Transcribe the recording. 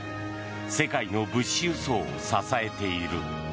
世界の物資輸送を支えている。